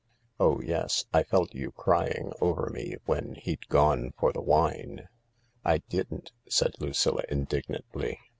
Oh yes, I felt you crying over me when he'd gone for the wine." " I didn't," said Lucilla indignantly.